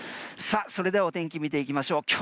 それではお天気見ていきましょう。